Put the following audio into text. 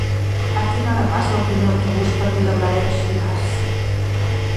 A quina hora passa el primer autobús per Vilablareix dimarts?